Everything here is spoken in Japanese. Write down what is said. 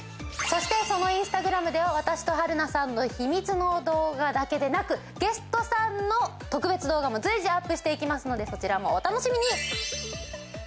そしてそのインスタグラムでは私と春菜さんの秘密の動画だけでなくゲストさんの特別動画も随時アップしていきますのでそちらもお楽しみに！